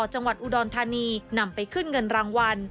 จังหวัดอุดรธานีนำไปขึ้นเงินรางวัล